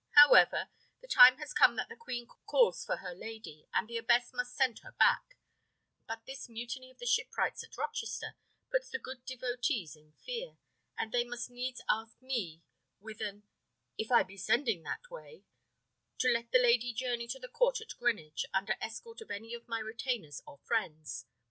However, the time has come that the queen calls for her lady, and the abbess must send her back; but this mutiny of the shipwrights at Rochester puts the good devotees in fear; and they must needs ask me, with an 'if I be sending that way,' to let the lady journey to the court at Greenwich under escort of any of my retainers or friends.